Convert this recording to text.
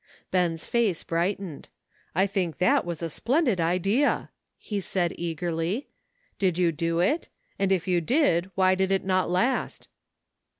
Ben's face brightened. "I think that was a splendid idea," ho said eagerly. "Did you do it — and if you did, why did not it last